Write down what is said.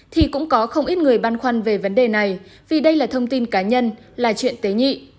thì cũng có không ít người băn khoăn về vấn đề này vì đây là thông tin cá nhân là chuyện tế nhị